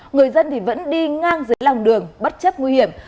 người dân vẫn đi ngang dưới lòng đường bất chấp nguy hiểm